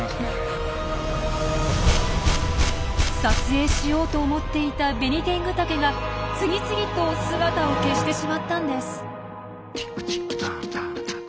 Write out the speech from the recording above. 撮影しようと思っていたベニテングタケが次々と姿を消してしまったんです。